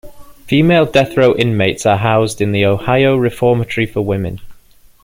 Female death row inmates are housed in the Ohio Reformatory for Women.